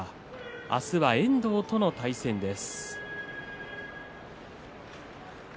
明日は遠藤との対戦です。